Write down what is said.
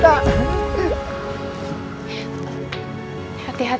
tak jangan mati dulu tak